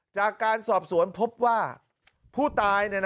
จากการสอบสวนพบว่าผู้ตาย